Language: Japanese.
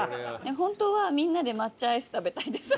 ホントはみんなで抹茶アイス食べたいです。